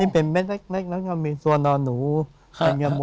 เป็นเม็ดเล็กและมีตัวหน่อนแหนว